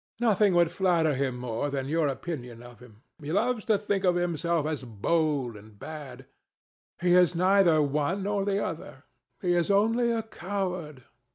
Nothing would flatter him more than your opinion of him. He loves to think of himself as bold and bad. He is neither one nor the other: he is only a coward.